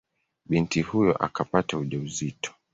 Binti huyo akapata ujauzito.